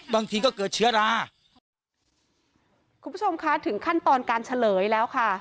บางทีก็เกิดเชื้อราคุณผู้ชมคะถึงขั้นตอนการเฉลยแล้วค่ะ